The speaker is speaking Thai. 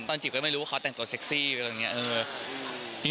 ตอนจีบก็ไม่รู้ว่าเขาแต่งตัวเซ็กซี่ไว้เรื่องรึนี่